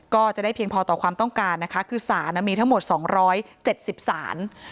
ก็จะได้เพียงพอต่อความต้องการนะคะคือสารมีทั้งหมด๒๗๐ศาล